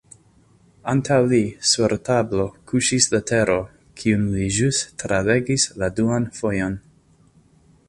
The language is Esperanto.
Antaŭ li, sur tablo, kuŝis letero, kiun li ĵus tralegis la duan fojon.